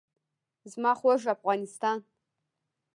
زما خوږ افغانستان.